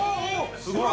◆すごい！